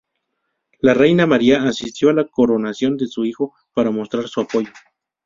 La reina María asistió a la coronación de su hijo para mostrar su apoyo.